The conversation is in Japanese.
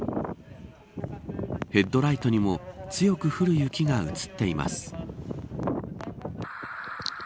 ヘッドライトにも強く降る雪が映っています。